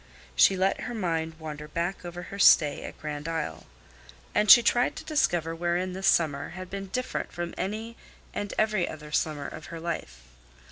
She let her mind wander back over her stay at Grand Isle; and she tried to discover wherein this summer had been different from any and every other summer of her life.